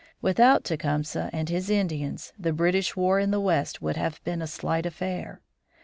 Without Tecumseh and his Indians the British war in the West would have been a slight affair.